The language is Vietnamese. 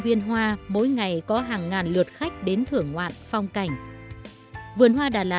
thì là người ta nói là